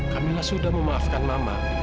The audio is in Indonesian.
kamila sudah memaafkan mama